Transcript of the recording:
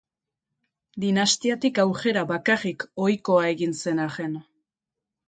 Dinastiatik aurrera bakarrik ohikoa egin zen arren.